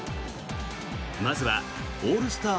まずはオールスター